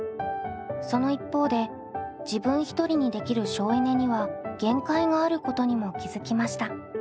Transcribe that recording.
その一方で自分一人にできる省エネには限界があることにも気付きました。